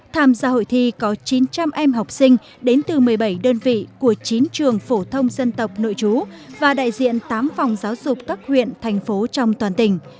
tham gia hội thi có chín trăm linh em học sinh đến từ một mươi bảy đơn vị của chín trường phổ thông dân tộc nội chú và đại diện tám phòng giáo dục các huyện thành phố trong toàn tỉnh